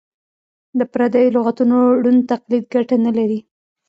د پردیو لغتونو ړوند تقلید ګټه نه لري.